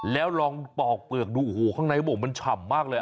แล้วลองปอกเปลือกดูโอ้โหข้างในเขาบอกมันฉ่ำมากเลย